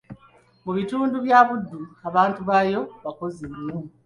Mu bitundu bya Buddu abantu baayo bakozzi nyo.